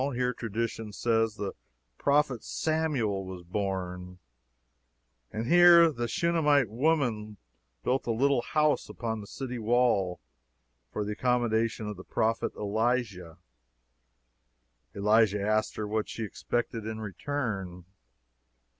Here, tradition says, the prophet Samuel was born, and here the Shunamite woman built a little house upon the city wall for the accommodation of the prophet Elisha. Elisha asked her what she expected in return.